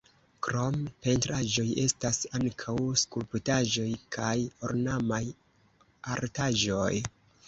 Krom pentraĵoj estas ankaŭ skulptaĵoj kaj ornamaj artaĵoj.